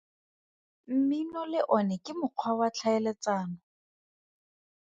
Mmino le ona ke mokgwa wa tlhaeletsano.